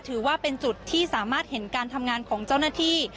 ถือว่าเป็นจุดที่สามารถเห็นการทำงานของเจ้าหน้าที่